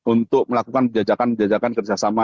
untuk melakukan bejajakan bejajakan kerjasama